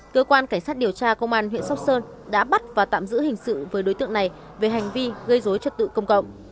cơ quan cảnh sát điều tra công an huyện sóc sơn đã bắt và tạm giữ hình sự với đối tượng này về hành vi gây dối trật tự công cộng